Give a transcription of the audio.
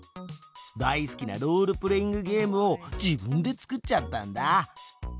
大好きなロールプレイングゲームを自分で作っちゃったんだ。